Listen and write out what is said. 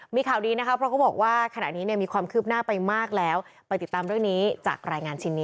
มีข่าวดีนะคะพวกเขาบอกว่าขนาดนี้นี่